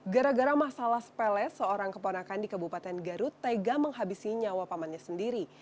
gara gara masalah sepele seorang keponakan di kabupaten garut tega menghabisi nyawa pamannya sendiri